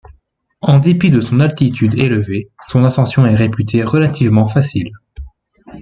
En dépit de son altitude élevée, son ascension est réputée relativement facile.